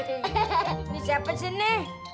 ini siapa sini